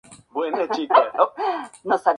Dos notas críticas.